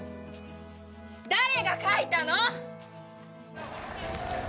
誰が書いたの！？